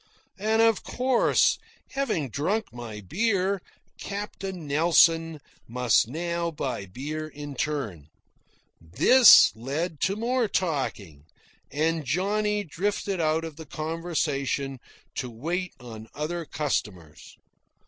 And of course, having drunk my beer, Captain Nelson must now buy beer in turn. This led to more talking, and Johnny drifted out of the conversation to wait on other customers.